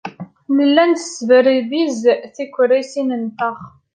Nella nesderbiz tikeṛṛusin-nteɣ.